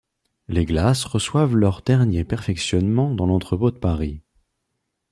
Les glaces reçoivent leurs derniers perfectionnements dans l'entrepôt de Paris.